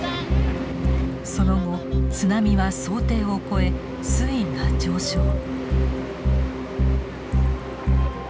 その後津波は想定を超え水位が上昇。